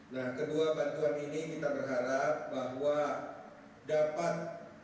nah kedua bantuan ini kita berharap bahwa dapat